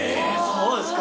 そうですか！